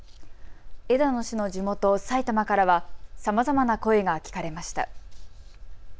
枝野氏の地元、埼玉からはさまざまな声が聞かれました。